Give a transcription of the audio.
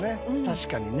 確かにね。